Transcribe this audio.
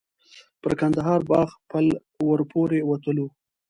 پر کندهار باغ پل ور پورې وتلو.